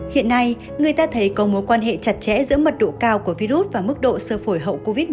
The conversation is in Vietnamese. hiện nay người ta thấy có mối quan hệ chặt chẽ giữa mật độ cao của virus và mức độ sơ phổi hậu covid một mươi chín